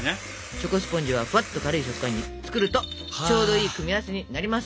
チョコスポンジはふわっと軽い食感に作るとちょうどいい組み合わせになります。